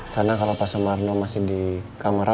karena kalau pak sumarno masih di kamar rawat